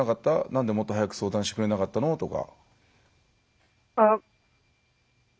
なんで、もっと早く相談してくれなかったの？とか。